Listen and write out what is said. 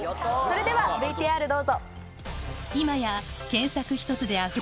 それではＶＴＲどうぞ。